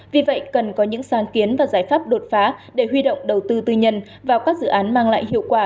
vì vậy cần có những sáng kiến và giải pháp đột phá để huy động đầu tư tư nhân vào các dự án mang lại hiệu quả